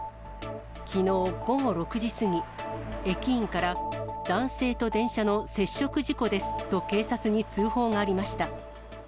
きのう午後６時過ぎ、駅員から、男性と電車の接触事故ですと警察に通報がありました。